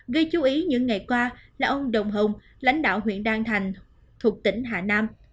gây chú ý những ngày qua là ông đồng hồng lãnh đạo huyện đan thành thuộc tỉnh hà nam